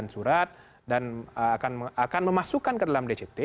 surat dan akan memasukkan ke dalam dct